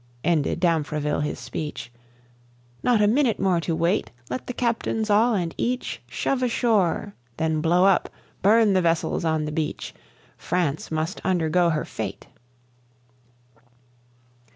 (Ended Damfreville his speech.) "Not a minute more to wait! Let the captains all and each Shove ashore, then blow up, burn the vessels on the beach! France must undergo her fate.